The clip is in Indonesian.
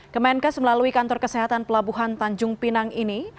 kemenkes melalui kantor kesehatan pelabuhan tanjung pinang ini